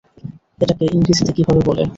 এটাকে ইংরেজিতে কিভাবে বলে?